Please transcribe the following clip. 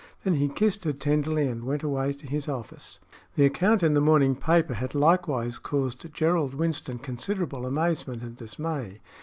Then he kissed her tenderly and went away to his office. The account in the morning paper had likewise caused Gerald Winston considerable amazement and dismay.